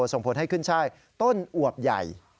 ส่งผลให้ขึ้นช่ายต้นอวบใหญ่